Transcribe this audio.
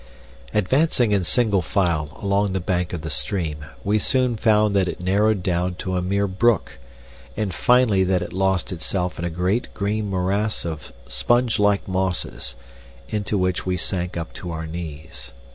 Advancing in single file along the bank of the stream, we soon found that it narrowed down to a mere brook, and finally that it lost itself in a great green morass of sponge like mosses, into which we sank up to our knees.